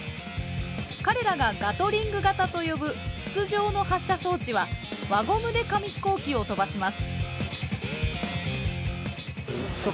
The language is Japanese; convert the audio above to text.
彼らがガトリング型と呼ぶ筒状の発射装置は輪ゴムで紙ヒコーキを飛ばします。